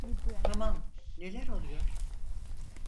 Tamam, neler oluyor?